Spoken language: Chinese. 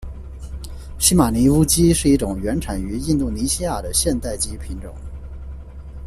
西马尼乌鸡是一种原产于印度尼西亚的现代鸡品种。